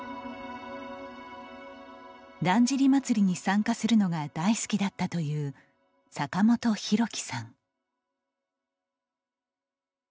だんじり祭りに参加するのが大好きだったという坂本裕貴さん。